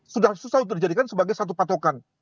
sudah susah untuk dijadikan sebagai satu patokan